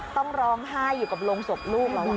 ต้องร้องไห้อยู่กับโรงศพลูกแล้ว